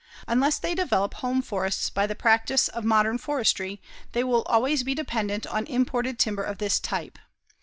Unless they develop home forests by the practice of modern forestry, they will always be dependent on imported timber of this type.